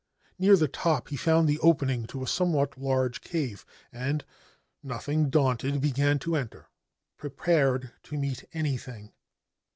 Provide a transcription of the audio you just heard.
Near the top he found the opening to a somewhat large cave, and, nothing daunted, began to enter, prepared to meet anything.